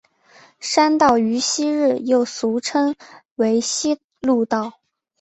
山道于昔日又俗称为希路道。